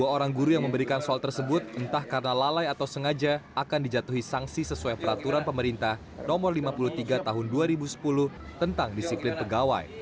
dua orang guru yang memberikan soal tersebut entah karena lalai atau sengaja akan dijatuhi sanksi sesuai peraturan pemerintah no lima puluh tiga tahun dua ribu sepuluh tentang disiplin pegawai